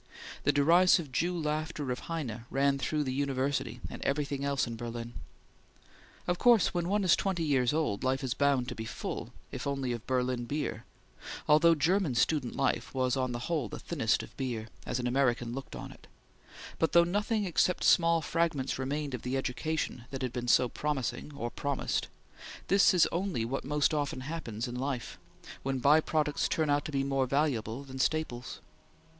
The derisive Jew laughter of Heine ran through the university and everything else in Berlin. Of course, when one is twenty years old, life is bound to be full, if only of Berlin beer, although German student life was on the whole the thinnest of beer, as an American looked on it, but though nothing except small fragments remained of the education that had been so promising or promised this is only what most often happens in life, when by products turn out to be more valuable than staples.